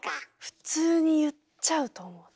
普通に言っちゃうと思う。